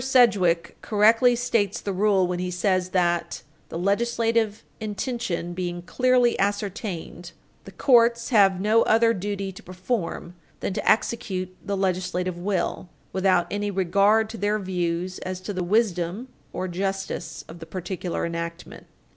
Sedgwick correctly states the rule when he says that, the legislative intention being clearly ascertained, "the courts have no other duty to perform than to execute the legislative will, without any regard to their views as to the wisdom or justice of the particular enactment." Stat. & Const.Constr. 324.